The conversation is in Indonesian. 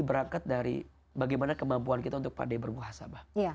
berangkat dari bagaimana kemampuan kita untuk pandai berbuah sahabat